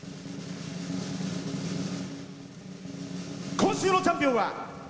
今週のチャンピオンは。